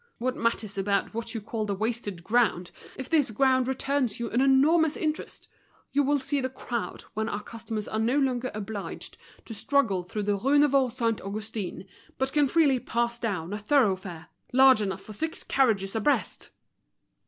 What matters about what you call the wasted ground, if this ground returns you an enormous interest! You will see the crowd, when our customers are no longer obliged to struggle through the Rue Neuve Saint Augustin, but can freely pass down a thoroughfare large enough for six carriages abreast."